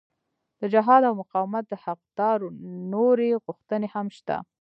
د جهاد او مقاومت د حقدارو نورې غوښتنې هم شته.